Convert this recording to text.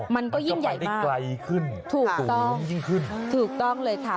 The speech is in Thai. มันก็ยิ่งใหญ่มากถูกต้องถูกต้องเลยค่ะมันก็มาได้ไกลขึ้นสูงยิ่งขึ้น